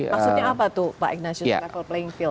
maksudnya apa tuh pak ignacio level playing field